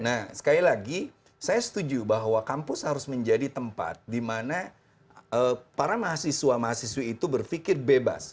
nah sekali lagi saya setuju bahwa kampus harus menjadi tempat di mana para mahasiswa mahasiswi itu berpikir bebas